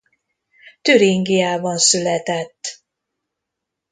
Türingiában született.